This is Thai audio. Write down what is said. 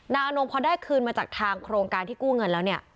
อนงพอได้คืนมาจากทางโครงการที่กู้เงินแล้วเนี่ย